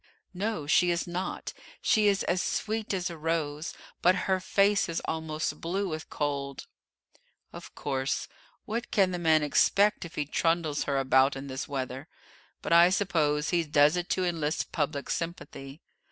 "No, she is not. She is as sweet as a rose; but her face is almost blue with cold." "Of course; what can the man expect if he trundles her about in this weather? But I suppose he does it to enlist public sympathy.